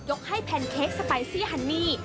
ให้แพนเค้กสไปซี่ฮันนี่